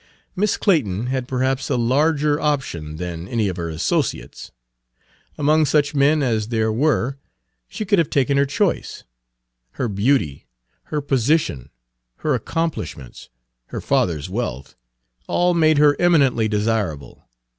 Miss Clayton had perhaps a larger option than any of her associates. Among such men as there were she could have taken her choice. Her beauty, her position, her accomplishments, her father's wealth, all made her eminently desirable.